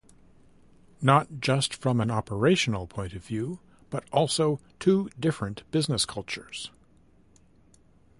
Not just from an operational point of view, but also two different business cultures.